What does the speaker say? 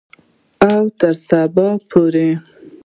او تر سبا پورې.